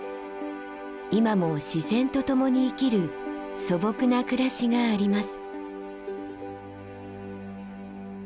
今も自然とともに生きる素朴な暮らしがあります。